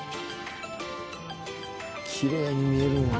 「きれいに見えるよな」